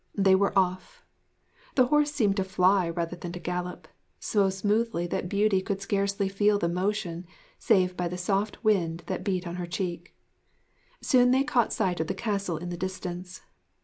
They were off! The horse seemed to fly rather than to gallop; so smoothly that Beauty could scarcely feel the motion save by the soft wind that beat on her cheek. Soon they caught sight of the castle in the distance.